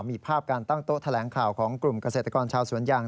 มีภาพการตั้งโต๊ะแถลงข่าวของกลุ่มเกษตรกรชาวสวนยาง